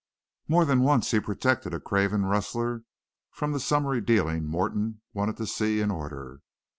More than once he protected a craven rustler from the summary dealing Morton wanted to see in order.